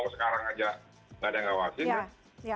sekarang aja gak ada yang ngawasin ya